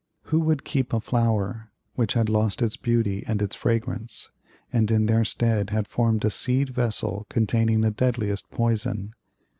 Who would keep a flower, which had lost its beauty and its fragrance, and in their stead had formed a seed vessel containing the deadliest poison?